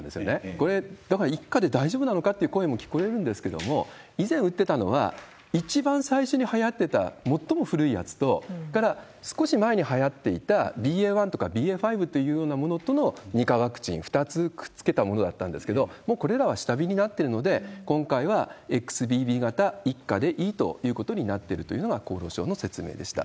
これ、１価で大丈夫なのかっていう声も聞こえるんですけれども、以前打ってたのは、一番最初にはやってた最も古いやつと、それから少し前にはやっていたＢＡ．１とかＢＡ．５といったようなものの２価ワクチン、２つくっつけたものだったんですけど、もうこれらは下火になっているので、今回はＸＢＢ．型１価でいいということになってるというのが厚労省の説明でした。